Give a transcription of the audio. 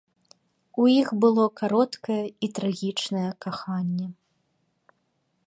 У іх было кароткае і трагічнае каханне.